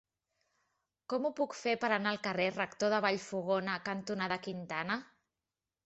Com ho puc fer per anar al carrer Rector de Vallfogona cantonada Quintana?